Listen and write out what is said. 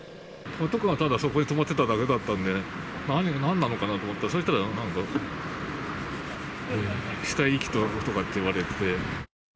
パトカーはただそこに止まってただけだったんで、なんなのかなと思ったら、そうしたら、なんか死体遺棄とかって言われて。